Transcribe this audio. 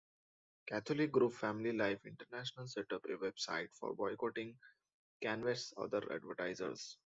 Catholic group Family Life International set up a website for boycotting CanWest's other advertisers.